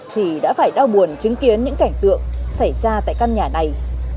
thì đã phải đau buồn chứng kiến những cảnh tượng xảy ra tại căn nhà này